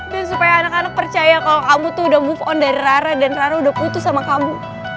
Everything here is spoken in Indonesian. dan supaya anak anak percaya kalau kamu tuh udah move on dari rara dan rara udah putus sama kamu